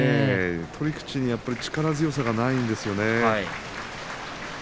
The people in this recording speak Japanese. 取り口に力強さがないんですよね。